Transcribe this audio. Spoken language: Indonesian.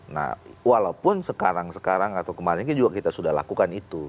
nah walaupun sekarang sekarang atau kemarin juga kita sudah lakukan itu